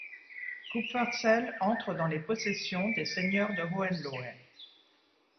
Kupferzell entre dans les possessions des seigneurs de Hohenlohe.